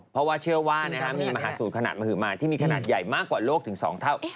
เพราะว่าเชื่อว่ามีมหาสูตรขนาดมหมาที่มีขนาดใหญ่มากกว่าโลกถึง๒เท่า